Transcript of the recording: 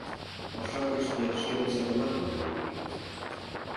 Оршанкыште шке оксатымат налын от керт.